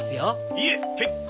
いえ結構。